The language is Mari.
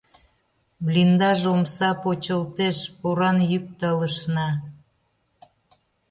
Блиндаж омса почылтеш, поран йӱк талышна.